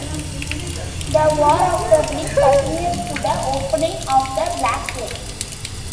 "The War of the Ring" continues to the opening of the Black Gate.